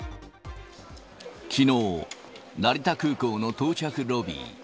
きのう、成田空港の到着ロビー。